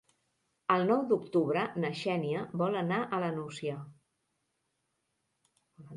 El nou d'octubre na Xènia vol anar a la Nucia.